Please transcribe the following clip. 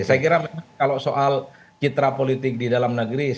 saya kira memang kalau soal citra politik di dalam negeri